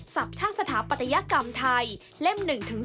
ศัพท์ชาติสถาปัตยกรรมไทยเล่ม๑๔